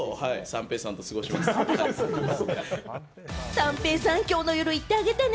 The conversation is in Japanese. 三瓶さん、きょうの夜、行ってあげてね。